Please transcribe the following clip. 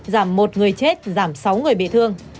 giảm một người chết giảm sáu người bị thương